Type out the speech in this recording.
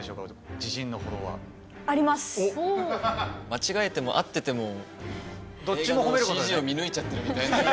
間違えても合っててもＣＧを見抜いちゃってるみたいな。